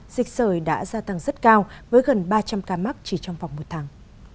dịch sởi đã gia tăng rất cao với gần ba trăm linh ca mắc chỉ trong vòng một tháng